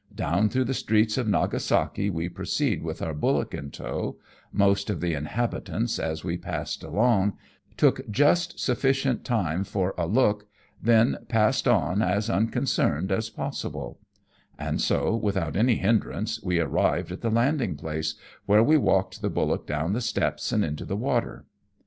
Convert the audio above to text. Down through the streets of Nagasalu we proceeded with our bullock in tow, most of the inhabitants as we passed along took just suflScient time for a look, then N 2 iZo AMONG TYPHOONS AND PIRATE CRAFT. passed on as unconcerned as possible ; and so, without any hindrance, we arrived at the landing place, where we walked the bullock down the steps and into the water.